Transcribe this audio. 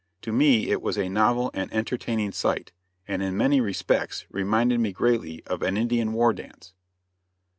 To me it was a novel and entertaining sight, and in many respects reminded me greatly of an Indian war dance.